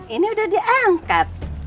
ini udah diangkat